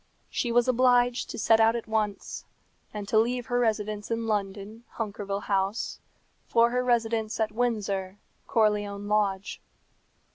She was obliged to set out at once, and to leave her residence in London, Hunkerville House, for her residence at Windsor, Corleone Lodge.